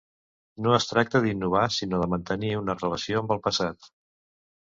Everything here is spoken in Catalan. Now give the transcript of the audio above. No es tracta d'innovar sinó de mantenir una relació amb el passat.